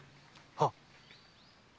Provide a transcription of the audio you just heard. はっ。